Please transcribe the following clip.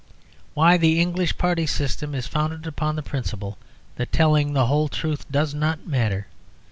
Why, the English party system is founded upon the principle that telling the whole truth does not matter.